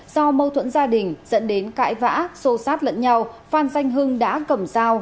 do mâu thuẫn gia đình dẫn đến cãi vã xô sát lẫn nhau phan danh hưng đã cầm dao